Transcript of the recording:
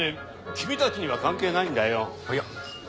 キミたちには関係ないんだよ。